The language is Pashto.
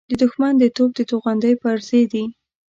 د دښمن د توپ د توغندۍ پرزې دي.